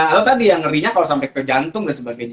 atau tadi yang ngerinya kalau sampai ke jantung dan sebagainya